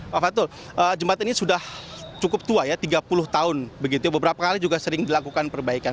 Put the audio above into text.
pak fatul jembatan ini sudah cukup tua ya tiga puluh tahun begitu beberapa kali juga sering dilakukan perbaikan